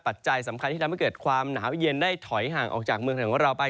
ปัจจัยสำคัญที่ทำให้เกิดความหนาวเย็นได้ถอยห่างออกจากเมืองไทยของเราไป